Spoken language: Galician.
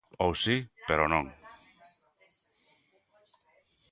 Ou si, pero non.